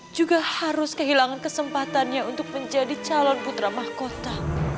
juga harus kehilangan kesempatannya untuk menjadi calon putra mahkota